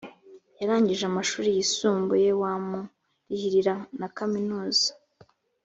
yarangije amashuri yisumbuye wamurihira na kaminuza